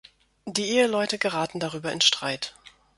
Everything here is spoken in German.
Die Eheleute geraten darüber in Streit.